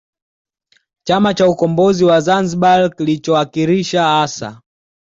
Chama cha Ukombozi wa Zamzibar kilichowakilisha hasa